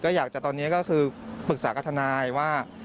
อยากจะตอนนี้ก็คือปรึกษากับทนายว่า